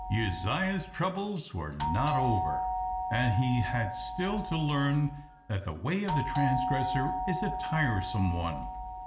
Uzziah's troubles were not over, and he had still to learn that the way of the transgressor is a tiresome one.